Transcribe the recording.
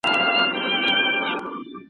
انلاین نړۍ به ښه اداره شي.